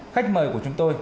khách mời của chúng tôi